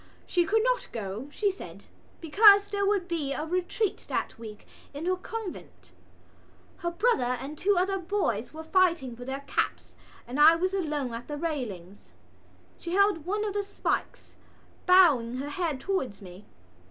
She could not go, she said, because there would be a retreat that week in her convent. Her brother and two other boys were fighting for their caps and I was alone at the railings. She held one of the spikes, bowing her head towards me.